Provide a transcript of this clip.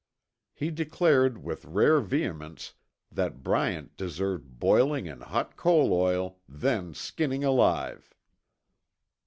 He declared with rare vehemence that Bryant deserved boiling in hot coal oil, then skinning alive.